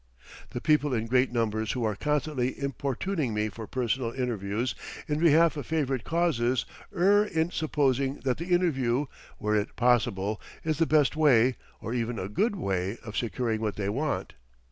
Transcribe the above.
The people in great numbers who are constantly importuning me for personal interviews in behalf of favourite causes err in supposing that the interview, were it possible, is the best way, or even a good way, of securing what they want.